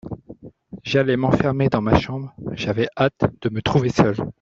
J'allai m'enfermer dans ma chambre ; j'avais hâte de me trouver seule.